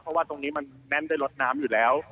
เพราะว่าตรงนี้มันแน่นด้วยรถน้ำอยู่แล้ว